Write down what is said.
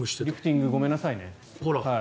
リフティングごめんなさいね。